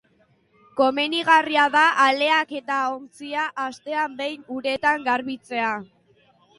Komenigarria da aleak eta ontzia astean behin uretan garbitzea.